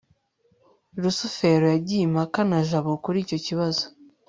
rusufero yagiye impaka na jabo kuri icyo kibazo